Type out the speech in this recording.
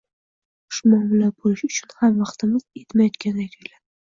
xushmuomila bo`lish uchun ham vaqtimiz etmayotgandek tuyiladi